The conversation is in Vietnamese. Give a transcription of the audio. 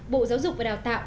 bộ giáo dục và đào tạo